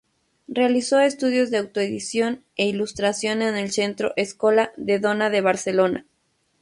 Realizó estudios de autoedición e ilustración en el centro Escola de Donna de Barcelona.